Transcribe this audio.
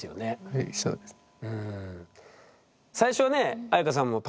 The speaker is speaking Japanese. はいそうですね。